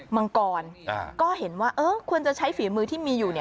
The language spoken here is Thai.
มังกรก็เห็นว่าควรจะใช้ฝีมือที่มีอยู่